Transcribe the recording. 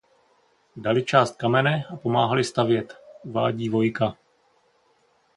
Dali část kamene a pomáhali stavět uvádí Vojka.